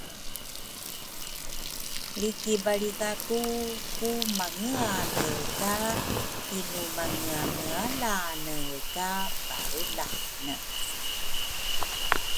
Lri kibalritha ku ku mangeale ka tinumangeangealane ka balrulane